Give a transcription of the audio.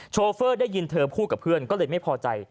โชเฟอร์ได้ยินเธอพูดกับเพื่อนก็เลยไม่พอใจ